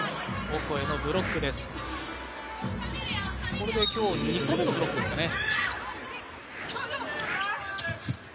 これで今日、２個目のブロックですかね。